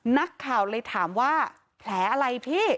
นักข่าวเลยถามว่าแผลอะไรพี่